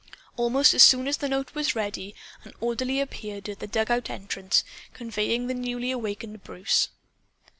Almost as soon as the note was ready, an orderly appeared at the dugout entrance, convoying the newly awakened Bruce.